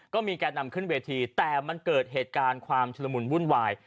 มีการนำขึ้นเวทีแต่มันเกิดเหตุการณ์ความชุดละมุนวุ่นวาย